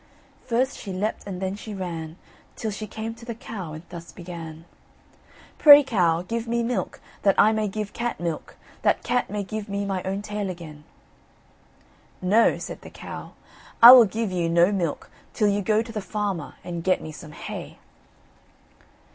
First she leapt and then she ran, Till she came to the cow, and thus began: "Pray, Cow, give me milk, that I may give cat milk, that cat may give me my own tail again." "No," said the cow, "I will give you no milk, till you go to the farmer, and get me some hay."